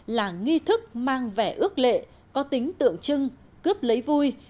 là nghi thức mang vẻ ước lệ có tính tượng trưng cướp lấy vui